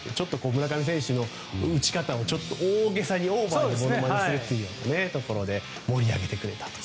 村上選手の打ち方を大げさにオーバーにものまねして盛り上げてくれたと。